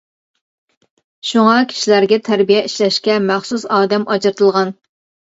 شۇڭا كىشىلەرگە تەربىيە ئىشلەشكە مەخسۇس ئادەم ئاجرىتىلغان.